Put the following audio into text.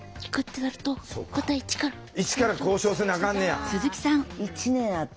イチから交渉せなあかんねや。